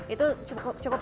itu cukup cukup bagus